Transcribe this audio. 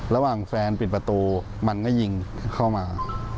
ระหว่างแฟนปิดประตูมันก็ยิงเข้ามา